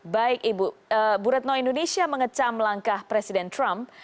baik ibu bu retno indonesia mengecam langkah presiden trump